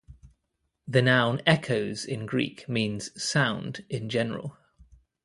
The noun "echos" in Greek means "sound" in general.